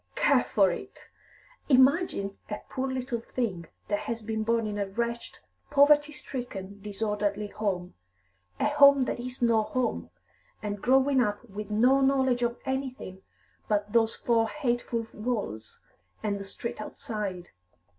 "Care for it! Imagine a poor little thing that has been born in a wretched, poverty stricken, disorderly home, a home that is no home, and growing up with no knowledge of anything but those four hateful walls and the street outside.